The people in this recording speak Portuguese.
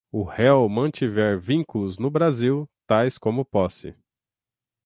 o réu mantiver vínculos no Brasil, tais como posse